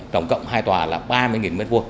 trong cộng hai tòa là ba mươi m hai